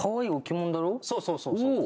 そうそうそうそう。